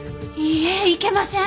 いいえいけません！